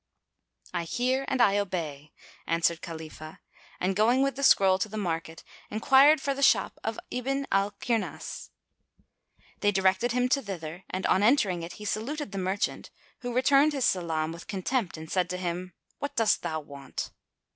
"I hear and I obey," answered Khalifah and going with the scroll to the market, enquired for the shop of Ibn al Kirnas. They directed him to thither and on entering it he saluted the merchant, who returned his salam with contempt and said to him, "What dost thou want?"